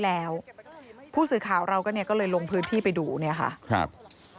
แล้วผู้สื่อข่าวเราก็เนี่ยก็เลยลงพื้นที่ไปดูเนี่ยค่ะครับ